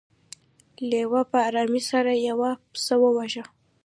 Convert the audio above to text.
لیوه په ارامۍ سره یو پسه وواژه.